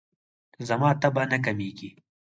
زما تبه نه کمیږي.